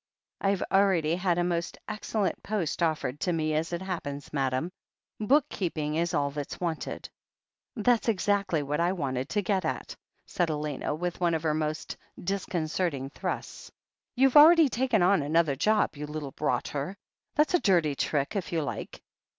"I've already had a most excellent post offered to me, as it happens, Madame. Book keeping is all that's wanted." "That's exactly what I wanted to get at," said Elena, with one of her most disconcerting thrusts. "You've already taken on another job, you little rotter. That's a dirty trick, if you like."